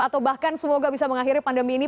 atau bahkan semoga bisa mengakhiri pandemi ini